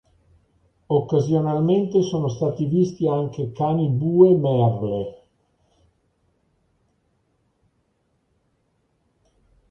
Occasionalmente sono stati visti anche cani blue merle.